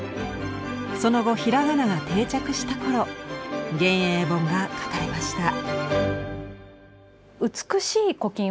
その後平仮名が定着した頃「元永本」が書かれました。